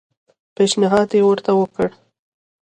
پېشنهاد ورته وکړ.